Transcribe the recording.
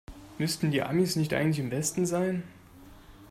Müssten die Amis nicht eigentlich im Westen sein?